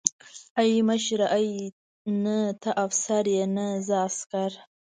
ای مشره ای نه ته افسر يې نه زه عسکر.